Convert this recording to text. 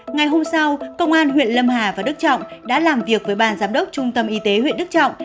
ngày hôm sau công an huyện lâm hà và đức trọng đã làm việc với ban giám đốc trung tâm y tế huyện đức trọng